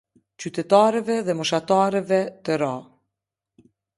Qytetarëve dhe moshtarëve të ra.